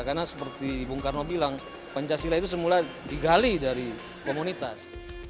karena seperti ibu nkarno bilang pancasila itu semula digali dari komunitas